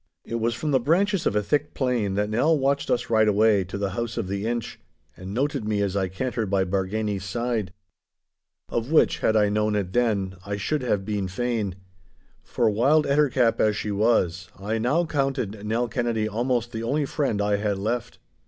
It was from the branches of a thick plane that Nell watched us ride away to the house of the Inch, and noted me as I cantered by Bargany's side. Of which, had I known it then, I should have been fain. For, wild ettercap as she was, I now counted Nell Kennedy almost the only friend I had left.